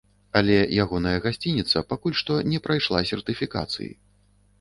Але ягоная гасцініца пакуль што не прайшла сертыфікацыі.